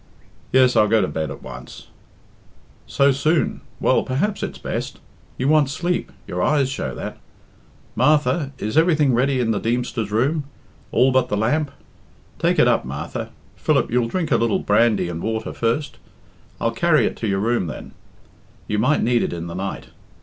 "Yes I'll go to bed at once." "So soon! Well, perhaps it's best. You want sleep: your eyes show that. Martha! Is everything ready in the Deemster's room? All but the lamp? Take it up, Martha. Philip, you'll drink a little brandy and water first? I'll carry it to your room then; you might need it in the night.